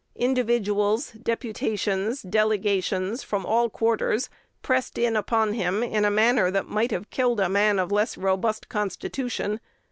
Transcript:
Individuals, deputations, "delegations," from all quarters, pressed in upon him in a manner that might have killed a man of less robust constitution.